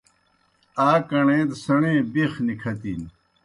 آ کݨے دہ سیْݨے بَیخ نِکَھتِن۔